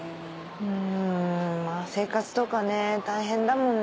うん生活とかね大変だもんね。